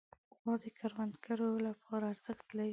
غوا د کروندګرو لپاره ارزښت لري.